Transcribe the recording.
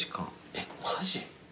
えっマジ？